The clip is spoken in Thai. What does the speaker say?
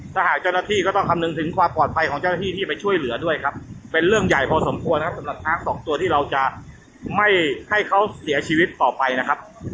ถ้าหากเจ้าหน้าที่ก็ต้องคำนึงถึงความปลอดภัยของเจ้าหน้าที่ที่ไปช่วยเหลือด้วยครับเป็นเรื่องใหญ่พอสมควรนะครับสำหรับช้างสองตัวที่เราจะไม่ให้เขาเสียชีวิตต่อไปนะครับ